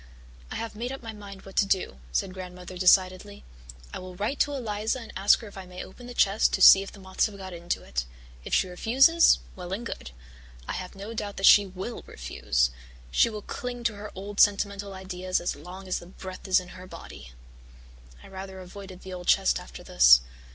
"I have made up my mind what to do," said Grandmother decidedly. "I will write to Eliza and ask her if I may open the chest to see if the moths have got into it. If she refuses, well and good. I have no doubt that she will refuse. She will cling to her old sentimental ideas as long as the breath is in her body." I rather avoided the old chest after this.